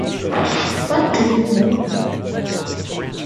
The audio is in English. What do we know?